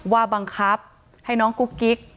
บังคับให้น้องกุ๊กกิ๊ก